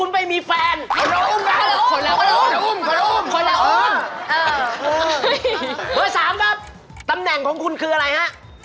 เบอร์๓ครับตำแหน่งของคุณคืออะไรฮะ